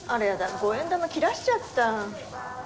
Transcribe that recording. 五円玉切らしちゃった。